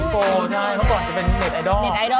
โปรใช่มั้ยเพราะก่อนจะเป็นเน็ตไอดอล